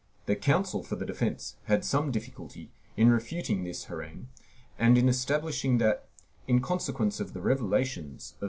The counsel for the defence had some difficulty in refuting this harangue and in establishing that, in consequence of the revelations of M.